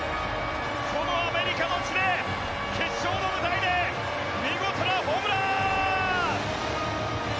このアメリカの地で決勝の舞台で見事なホームラン。